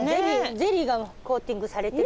ゼリーがコーティングされてるみたい。